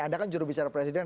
anda kan jurubicara presiden